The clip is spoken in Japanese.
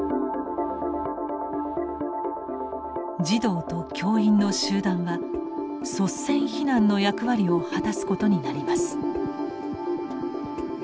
児童と教員の集団は率先避難の役割を果たすことになります。